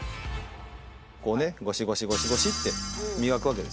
こうねゴシゴシゴシゴシって磨くわけですよ。